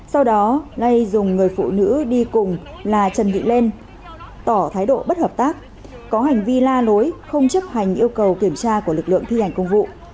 sau đó lây dùng người phụ nữ đi cùng là trần thị lên tỏ thái độ bất hợp tác có hành vi la lối không chấp hành yêu cầu kiểm tra của lực lượng thi hành công vụ